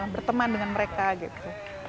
berteman dengan mereka gitu